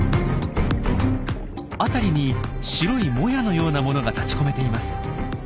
辺りに白いもやのようなものが立ちこめています。